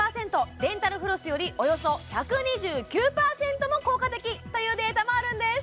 デンタルフロスよりおよそ１２９％も効果的というデータもあるんです